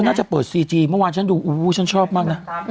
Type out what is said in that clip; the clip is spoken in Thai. น่าจะเปิดซีจีเมื่อวานฉันดูอู้ฉันชอบมากนะ